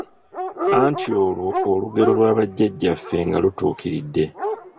Anti olwo ng’olugero lwa Bajjajjaffe nga lutuukiridde